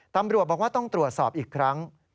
ตำรวจบอกว่าต้องตรวจสอบอีกครั้ง